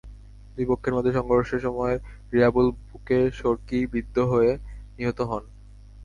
দুই পক্ষের মধ্যে সংঘর্ষের সময় রিয়াবুল বুকে সড়কি বিদ্ধ হয়ে নিহত হন।